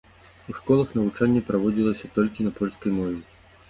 У школах навучанне праводзілася толькі на польскай мове.